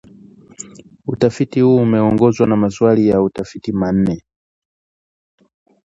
Utafiti huu umeongozwa na maswali ya utafiti manne